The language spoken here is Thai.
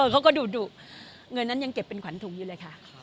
เขาก็ดุเงินนั้นยังเก็บเป็นขวัญถุงอยู่เลยค่ะ